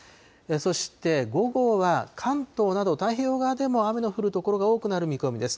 そして午後は関東など太平洋側でも雨の降る所が多くなる見込みです。